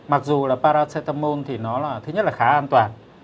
mặc dù là paracetamol thì nó là thứ nhất là khá an toàn